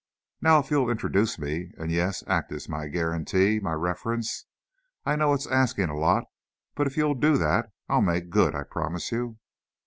Now, if you'll introduce me, and, yes, act as my guarantee, my reference, I know it's asking a lot, but if you'll do that, I'll make good, I promise you!"